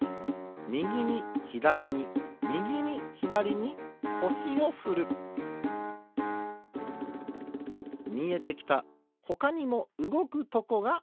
みぎにひだりにみぎにひだりにこしをふるみえてきたほかにもうごくとこがある。